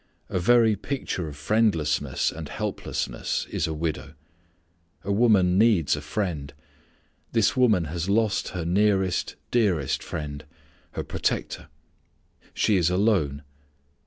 A very picture of friendlessness and helplessness is a widow. A woman needs a friend. This woman has lost her nearest, dearest friend; her protector. She is alone.